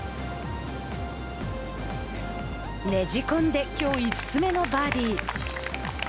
ねじ込んで、きょう５つ目のバーディー。